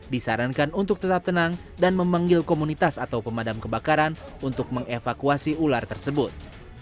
disarankan untuk tetap tenang dan memanggil komunitas atau pemadam kebakaran untuk mengevakuasi ular tersebut